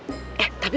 eh eh tapi